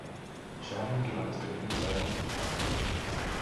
Shahin gewann das Duell in zwei Runden klar.